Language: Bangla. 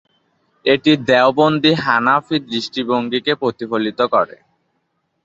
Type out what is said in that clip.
এটি দেওবন্দি হানাফি দৃষ্টিভঙ্গিকে প্রতিফলিত করে।